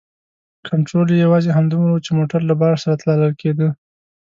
کنترول یې یوازې همدومره و چې موټر له بار سره تلل کیده.